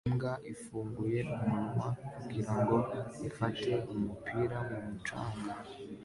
Imbwa ifunguye umunwa kugirango ifate umupira mumucanga